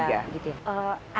iya ibu mega